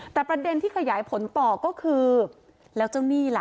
แต่ประเด็นที่ขยายผลต่อก็คือแล้วเจ้าหนี้ล่ะ